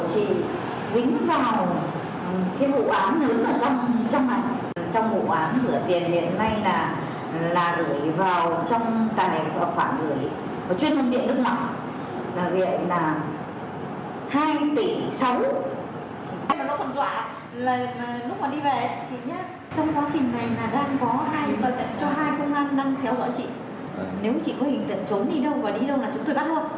cho hai công an đang theo dõi chị nếu chị có hình tận trốn đi đâu và đi đâu là chúng tôi bắt luôn